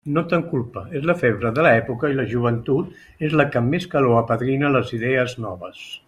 No te'n culpe; és la febre de l'època, i la joventut és la que amb més calor apadrina les idees noves.